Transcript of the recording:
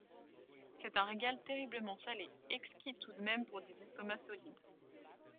C’était un régal terriblement salé, exquis tout de même pour des estomacs solides.